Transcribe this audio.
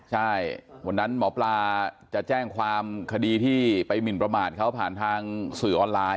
ใช่วันนั้นหมอปลาจะแจ้งความคดีที่ไปหมินประมาทเขาผ่านทางสื่อออนไลน